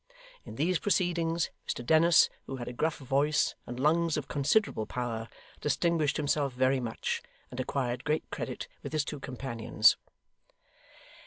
In these proceedings, Mr Dennis, who had a gruff voice and lungs of considerable power, distinguished himself very much, and acquired great credit with his two companions.